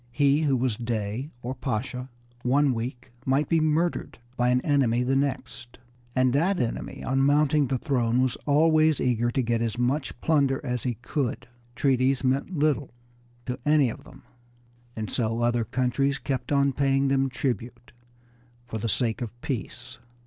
He who was Dey or Pasha one week might be murdered by an enemy the next, and that enemy on mounting the throne was always eager to get as much plunder as he could. Treaties meant little to any of them, and so other countries kept on paying them tribute for the sake of peace.